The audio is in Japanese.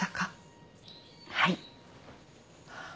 はい。